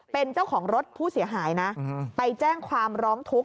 เป็นเจ้าของรถผู้เสียหายนะไปแจ้งความร้องทุกข์